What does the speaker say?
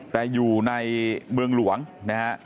แต่อยู่ในเมืองหลวงนะฮะ